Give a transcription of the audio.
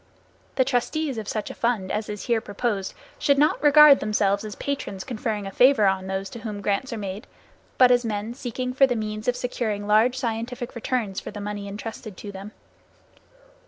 The trustees of such a fund as is here proposed should not regard themselves as patrons conferring a favor on those to whom grants are made, but as men seeking for the means of securing large scientific returns for the money entrusted to them.